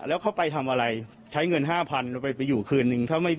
แล้วเขาไปทำอะไรใช้เงิน๕๐๐๐บาทไปอยู่คืนนึง